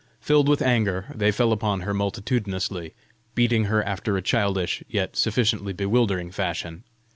Filled with anger they fell upon her multitudinously, beating her after a childish, yet sufficiently bewildering fashion.